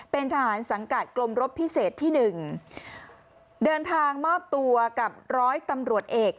เป็นทหารสังกัดกรมรบพิเศษที่หนึ่งเดินทางมอบตัวกับร้อยตำรวจเอก